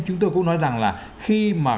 chúng tôi cũng nói rằng là khi mà